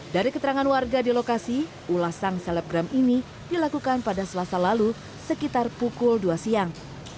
dari keterangan warga di lokasi ulasan selebgram ini dilakukan pada selasa lalu sekitar pukul dua siang